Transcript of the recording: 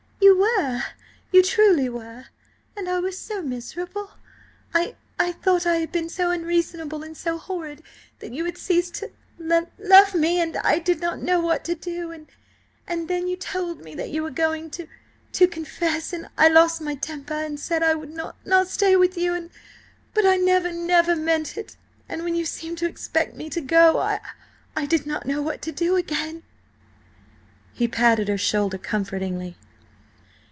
"You were–you truly were–and I was so miserable–I–I thought I had been so unreasonable and so horrid that you had ceased to l love me–and I did not know what to do. And–and then you told me that you were going to–to confess–and I lost my temper and said I would n not stay with you— But I never, never meant it–and when you seemed to expect me to go–I–I did not know what to do again!" He patted her shoulder comfortingly.